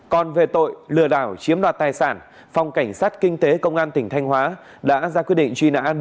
còn về tội lừa đảo chiếm đoạt tài sản phòng cảnh sát kinh tế công an tỉnh thanh hóa đã ra quyết định truy nã